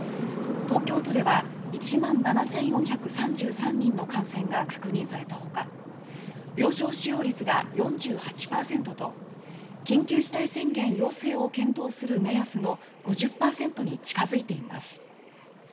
東京都では、１万７４３３人の感染が確認された他病床使用率が４８％と緊急事態宣言要請を検討する目安の５０％に近づいています。